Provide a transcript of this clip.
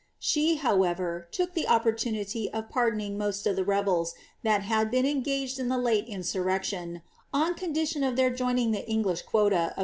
She, however, took the opportunity of pardoning most of the rebels that had hi»en engaged in iJif lute ui^urrecuou, on condition oi' their joining tlh* E:iglish quota of IB4 HA^T.